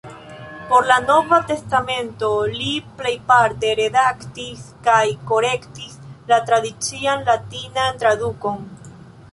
Por la Nova testamento, li plejparte redaktis kaj korektis la tradician latinan tradukon.